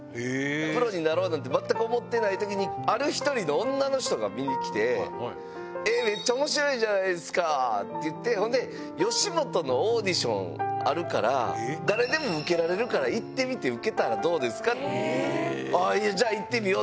プロになろうなんてまったく思ってないときに、ある１人の女の人が見に来て、めっちゃおもしろいじゃないですかって言って、ほんで、よしもとのオーディションあるから、誰でも受けられるから行ってみて受けたらどうですか？